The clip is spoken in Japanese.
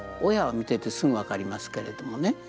親は見ていてすぐ分かりますけれどもね。